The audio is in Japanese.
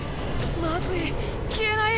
まずい消えない。